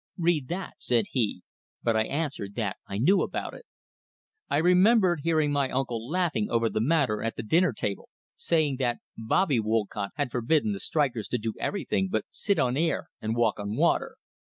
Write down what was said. "Read that," said he; but I answered that I knew about it. I remember hearing my uncle laughing over the matter at the dinner table, saying that "Bobbie" Wollcott had forbidden the strikers to do everything but sit on air and walk on water.